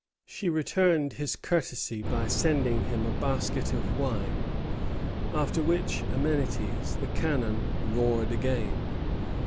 She returned his courtesy by sending him a basket of wine; after which amenities the cannon roared again.